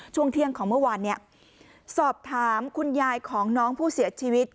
ช่วงเที่ยงของเมื่อวานเนี่ยสอบถามคุณยายของน้องผู้เสียชีวิต